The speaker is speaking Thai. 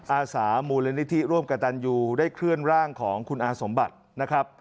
อาสามูลนิธิร่วมกับตันยูได้เคลื่อนร่างของคุณอาสมบัตินะครับ